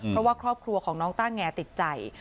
เพราะว่าครอบครัวของน้องต้าแงติดใจ